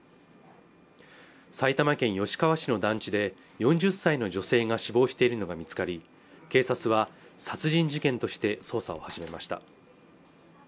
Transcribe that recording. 埼玉県吉川市の団地で４０歳の女性が死亡しているのが見つかり警察は殺人事件として捜査を始めました